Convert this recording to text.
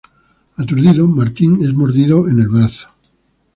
Aturdido, Martin es mordido en el brazo.